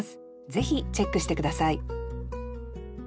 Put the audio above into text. ぜひチェックして下さい